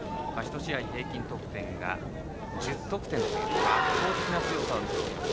１試合、平均得点が１０得点という圧倒的な強さを見せています。